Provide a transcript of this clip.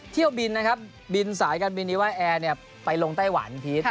เที่ยวบินนะครับบินสายการบินนี้ว่าแอร์ไปลงไต้หวันพีช